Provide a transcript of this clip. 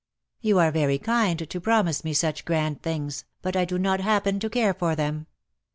"You are very kind to promise me such grand things, but I do not happen to care for them.